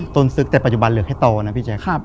ซึกแต่ปัจจุบันเหลือแค่โตนะพี่แจ๊ค